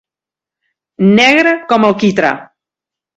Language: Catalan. Negre com el quitrà.